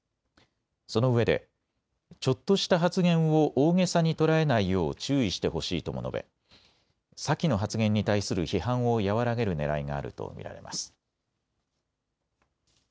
そのうえでちょっとした発言を大げさに捉えないよう注意してほしいとも述べ先の発言に対する批判を和らげるねらいがあると見られます。